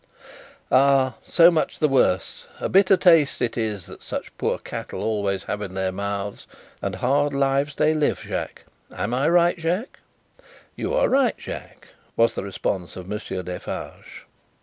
"Ah! So much the worse! A bitter taste it is that such poor cattle always have in their mouths, and hard lives they live, Jacques. Am I right, Jacques?" "You are right, Jacques," was the response of Monsieur Defarge.